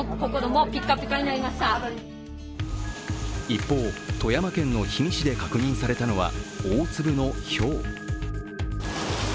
一方、富山県の氷見市で確認されたのは大粒のひょう。